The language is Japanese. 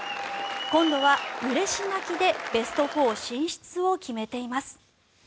今度はうれし泣きでベスト４進出を決めています。